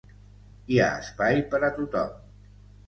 Hi ha espai per a tothom.